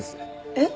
えっ？